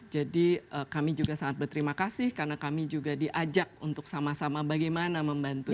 jadi kami juga sangat berterima kasih karena kami juga diajak untuk sama sama bagaimana membantu ini